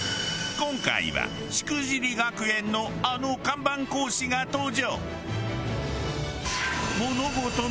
今回はしくじり学園のあの看板講師が登場！